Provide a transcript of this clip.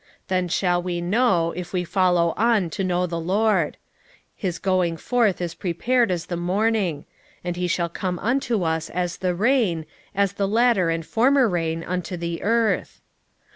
6:3 Then shall we know, if we follow on to know the LORD: his going forth is prepared as the morning; and he shall come unto us as the rain, as the latter and former rain unto the earth.